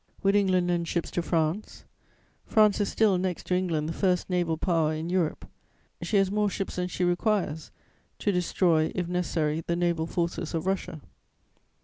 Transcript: "Would England lend ships to France? "France is still, next to England, the first naval power in Europe; she has more ships than she requires to destroy, if necessary, the naval forces of Russia.